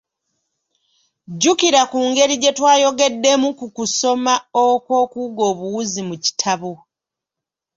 Jjukira ku ngeri gye twayogeddemu ku kusoma okw'okuwuga obuwuzi mu kitabo.